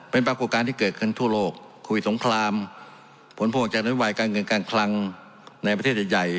เป็นปรากฏการณ์ที่เกิดขึ้นทั่วโลกคุยสงครามผลพวงจากนโยบายการเงินการคลังในประเทศใหญ่ใหญ่